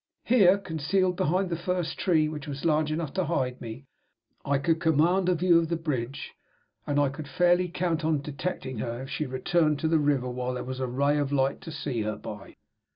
Here, concealed behind the first tree which was large enough to hide me, I could command a view of the bridge, and I could fairly count on detecting her, if she returned to the river, while there was a ray of light to see her by.